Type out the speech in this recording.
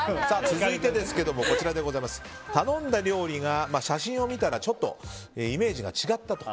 続いて、頼んだ料理が写真を見たらちょっとイメージが違ったと。